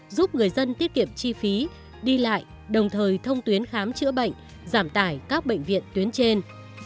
giúp người dân tiết kiệm chi phí đi lại đồng thời thông tuyến khám chữa bệnh giảm tải các bệnh viện tuyến trên